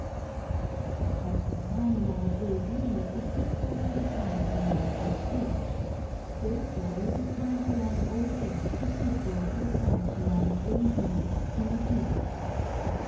But the time along AB is equal to the time along OH; therefore the time along OF is equal to the time along AB, BG.